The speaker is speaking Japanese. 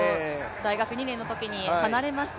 大学２年のときに離れました